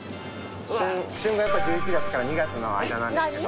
旬が１１月から２月の間なんですけど。